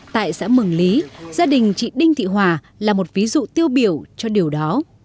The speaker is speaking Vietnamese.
tại xã mường lý gia đình chị đinh thị hòa là một ví dụ tiêu biểu cho điều đó